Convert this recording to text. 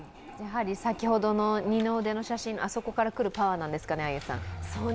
先ほどの二の腕の写真あそこから来るパワーなんですかね。